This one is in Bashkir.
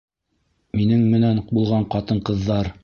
Минең менән булған ҡатын-ҡыҙҙар.